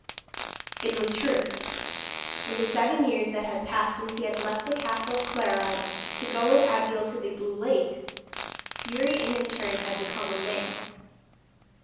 It was true. In the seven years that had passed since he had left the castle of Clarides to go with Abeille to the blue lake, Youri in his turn had become a man.